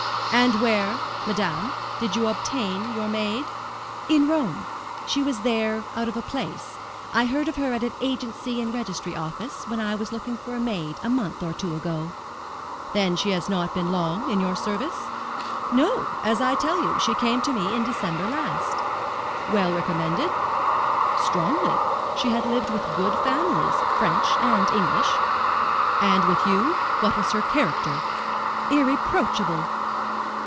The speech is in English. "And where, madame, did you obtain your maid?" "In Rome. She was there, out of a place. I heard of her at an agency and registry office, when I was looking for a maid a month or two ago." "Then she has not been long in your service?" "No; as I tell you, she came to me in December last." "Well recommended?" "Strongly. She had lived with good families, French and English." "And with you, what was her character?" "Irreproachable."